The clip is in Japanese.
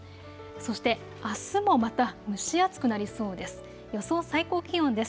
そして、あすもまた蒸し暑くなりそうです。